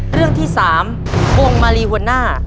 เรื่องที่๓วงมาลีหัวหน้า